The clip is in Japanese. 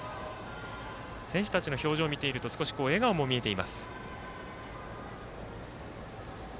選手たちの表情を見ていると少し笑顔も見えています。